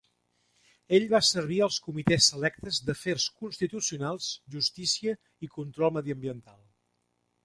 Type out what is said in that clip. Ell va servir als comitès selectes d'afers constitucionals, justícia i control mediambiental.